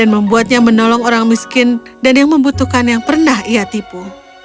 membuatnya menolong orang miskin dan yang membutuhkan yang pernah ia tipu